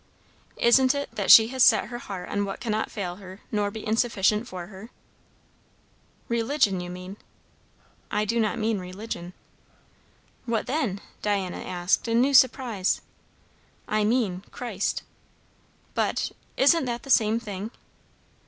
"Isn't it, that she has set her heart on what cannot fail her nor be insufficient for her?" "Religion, you mean." "I do not mean religion." "What then?" Diana asked in new surprise. "I mean Christ." "But isn't that the same thing?"